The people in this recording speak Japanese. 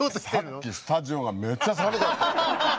さっきスタジオがめっちゃ寒かった。